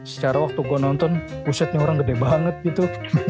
secara waktu gue nonton pusatnya orang gede banget gitu